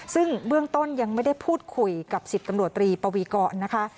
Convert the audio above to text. ซึ่งเบื้องต้นยังไม่ได้พูดคุยกับ๑๐ตำรวจตรีปวีกรนะคะ